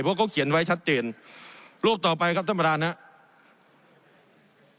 เพราะเขาเขียนไว้ชัดเจนรูปต่อไปครับท่านประธานครับ